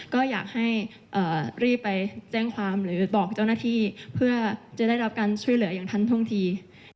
ก็อยากให้รีบไปแจ้งความหรือบอกเจ้าหน้าที่เพื่อจะได้รับการช่วยเหลืออย่างทันท่วงที